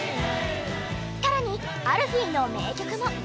更にアルフィーの名曲も。